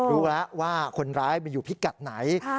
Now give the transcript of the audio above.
รู้แล้วว่าคนร้ายไปอยู่พิกัดไหน